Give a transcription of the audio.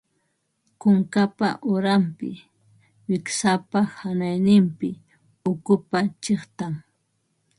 Kunkapa uranpi, wiksapa hanayninpi ukupa chiqtan